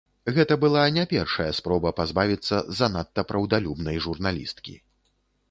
Гэта была не першая спроба пазбавіцца занадта праўдалюбнай журналісткі.